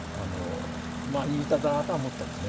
まあいい歌だなとは思ったんですね。